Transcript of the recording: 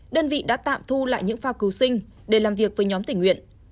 đơn vị đã tạm thu lại những phao cứu sinh để làm việc với nhóm tỉnh nguyện